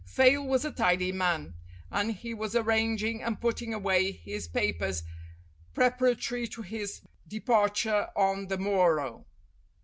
Fayle was a tidy man, and he was arranging and putting away his papers preparatory to his departure on the morrow.